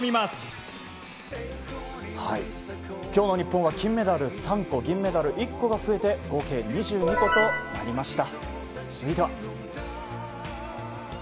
今日の日本は金メダル、３個銀メダル１個が増えて合計２２個となりました。